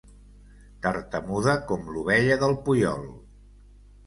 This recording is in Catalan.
Tartamuda com l'ovella del Puyol.